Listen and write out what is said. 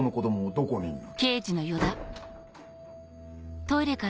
どこにいんの？